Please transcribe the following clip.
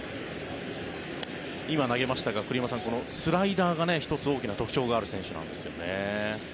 今、投げましたが栗山さん、スライダーが１つ、大きな特徴がある選手なんですよね。